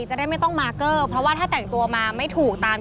จะได้ไม่ต้องเกาะ